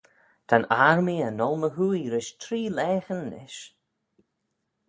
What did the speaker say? Ta'n armee er ngholl my hwoaie rish tree laghyn nish.